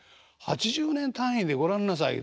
８０年単位でご覧なさい。